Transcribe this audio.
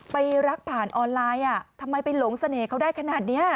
ไปรักผ่านออนไลน์ทำไมไปหลงเสน่ห์เขาได้ขนาดนี้